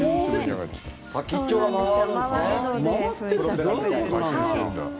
先っちょが回るんですね。